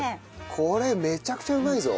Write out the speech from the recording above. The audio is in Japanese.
これめちゃくちゃうまいぞ。